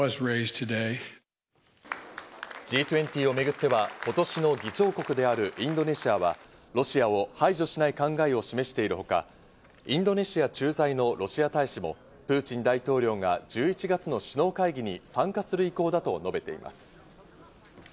Ｇ２０をめぐっては今年の議長国であるインドネシアはロシアを排除しない考えを示しているほか、インドネシア駐在のロシア大使もプーチン大統領が１１月の首脳会議に参加する意向だと述べています。